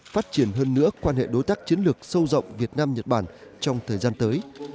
phát triển hơn nữa quan hệ đối tác chiến lược sâu rộng việt nam nhật bản trong thời gian tới